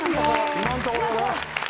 今のところはな。